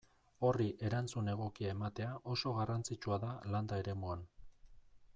Horri erantzun egokia ematea oso garrantzitsua da landa eremuan.